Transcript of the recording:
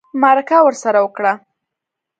مرکه ورسره وکړه